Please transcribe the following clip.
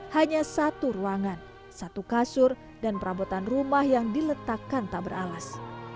hanya satu ruangan satu kasur dan perabotan rumah yang diletakkan tak beralas